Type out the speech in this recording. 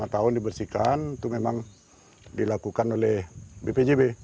lima tahun dibersihkan itu memang dilakukan oleh bpjb